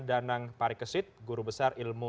danang parikesit guru besar ilmu